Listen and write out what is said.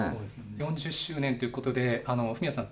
４０周年ということでフミヤさん